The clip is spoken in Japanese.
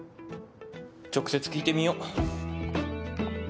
直接聞いてみよ。